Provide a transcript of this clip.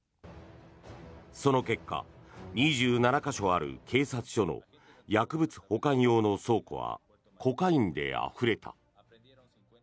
その結果、２７か所ある警察署の薬物保管用の倉庫はコカインであふれた。